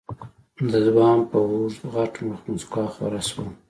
د ځوان په اوږد غټ مخ موسکا خوره شوه.